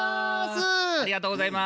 ありがとうございます。